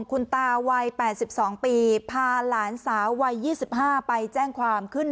คุณตาวัย๘๒ปีพาหลานสาววัย๒๕ไปแจ้งความขึ้น